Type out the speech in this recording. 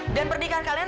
dan pernikahan kalian